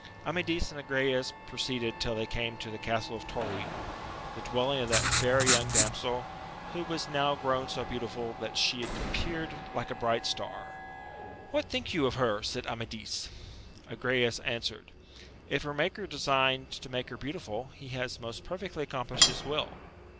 Amadis and Agrayes proceeded till they came t^ the castle of Torin, the dwe\&ig^ ol >Jt\a^ i^ist ^^ssxsisi 220 AMADIS OF GAUL. damsel, who was now grown so beautiful that she appeared like a bright star. What think you of her? said Amadis. Agrayes answered, If her Maker de signed to make her beautiful, he has most perfectly accompUshed his will.